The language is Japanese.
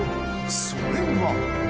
それは。